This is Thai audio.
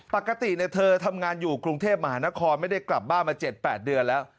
ปกติเธอทำงานอยู่กรุงเทพมหานครไม่ได้กลับบ้านมา๗๘เดือนแล้ว